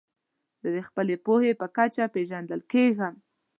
زه د خپلي پوهي په کچه پېژندل کېږم.